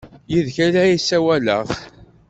Yid-k ay la ssawaleɣ!